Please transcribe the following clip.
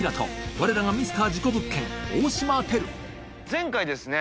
前回ですね